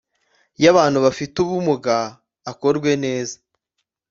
y Abantu bafite ubumuga akorwe neza